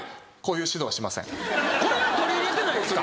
これは取り入れてないんすか？